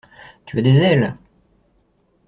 Tu as des ailes!